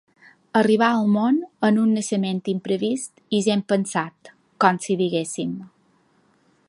Arribà al món en un naixement imprevist i gens pensat, com si diguéssim.